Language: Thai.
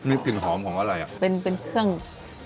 ครับมีกลิ่นหอมของอะไรอ่าเป็นเป็นเครื่องเครื่องเทศ